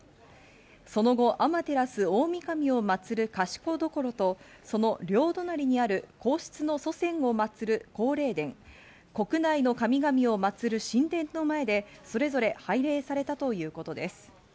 その後、天照大神を祭る賢所とその両隣にある皇室の祖先をまつる皇霊殿、国内の神々を祭る神殿の前でそれぞれ拝礼されたということです。